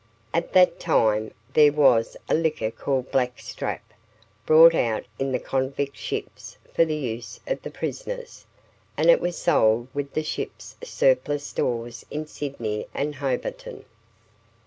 At that time there was a liquor called "black strap," brought out in the convict ships for the use of the prisoners, and it was sold with the ships' surplus stores in Sydney and Hobarton.